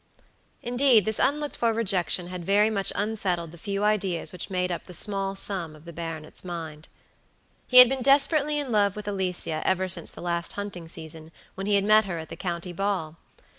Indeed, this unlooked for rejection had very much unsettled the few ideas which made up the small sum of the baronet's mind. He had been desperately in love with Alicia ever since the last hunting season, when he had met her at the county ball.